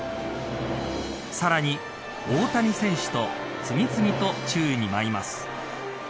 さらに大谷選手と次々と宙に舞います。